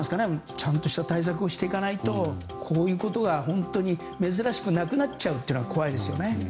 ちゃんとした対策をしていかないとこういうことが珍しくなくなっちゃうのが怖いですよね。